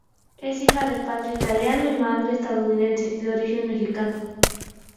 Es hija de padre italiano y madre estadounidense de origen mexicano.